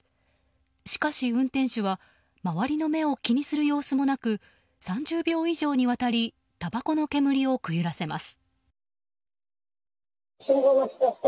しかし運転手は周りの目を気にする様子もなく３０秒以上にわたりたばこの煙をくゆらせます。